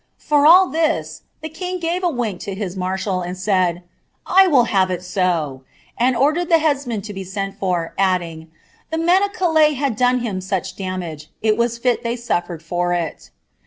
* For all this, Ihe king gvrt a wmk to his marshal, and said, ' I will have it so ;' and ordered the bcaiaMB to be sent for, adding, ' the men of Calais had done him sue)) duna^ il was fit they suffered for it.'